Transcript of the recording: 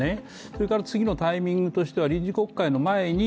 それから次ののタイミングとしては臨時国会の前に